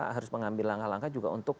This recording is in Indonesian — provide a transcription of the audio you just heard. harus mengambil langkah langkah juga untuk